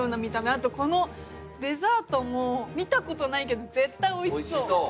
あとこのデザートも見たことないけど絶対おいしそう。